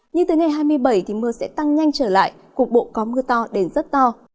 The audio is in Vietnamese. nhưng tới ngày hai mươi bảy thì mưa sẽ tăng nhanh trở lại cục bộ có mưa to đến rất to